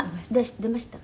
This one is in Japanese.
「出ました？」